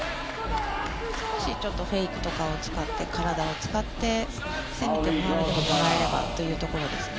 少しフェイクとかを使って体を使って攻めてもらえればというところですね。